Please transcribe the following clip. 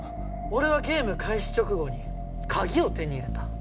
俺はゲーム開始直後に鍵を手に入れた。